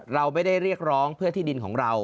เราไม่ได้เรียกร้องเพื่อที่ดินของเรา